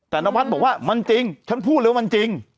แต่นวัดบอกว่ามันจริงฉันพูดเลยว่ามันจริง